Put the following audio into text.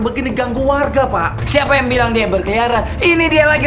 begini ganggu warga pak siapa yang bilang dia berkeliaran ini dia lagi